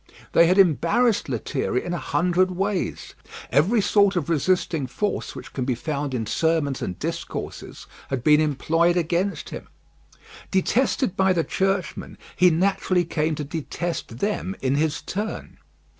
They had embarrassed Lethierry in a hundred ways; every sort of resisting force which can be found in sermons and discourses had been employed against him. Detested by the churchmen, he naturally came to detest them in his turn.